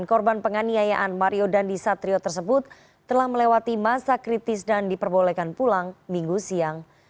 korban penganiayaan mario dandisatrio tersebut telah melewati masa kritis dan diperbolehkan pulang minggu siang